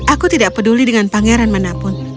aku tidak peduli dengan pangeran manapun